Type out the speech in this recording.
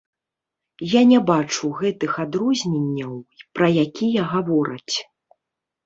Я не бачу гэтых адрозненняў, пра якія гавораць.